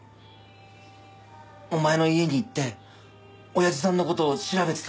お前の家に行って親父さんの事を調べてた。